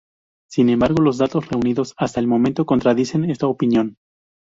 Sin embargo, los datos reunidos hasta el momento contradicen esta opinión.